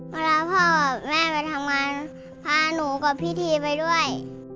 พ่อแม่ไปทำงานพาหนูกับพี่ทีไปด้วย